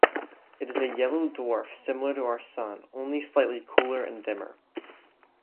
It is a yellow dwarf similar to our Sun, only slightly cooler and dimmer.